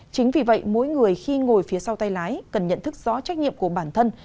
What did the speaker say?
chính vì vậy mỗi người khi ngồi phía sau tay lái cần nhận thức rõ trách nhiệm của bản thân